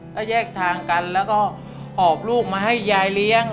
ก็แยกทางกันแล้วก็หอบลูกมาให้ยายเลี้ยง